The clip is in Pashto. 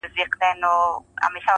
د خان کورته یې راوړې کربلا وه -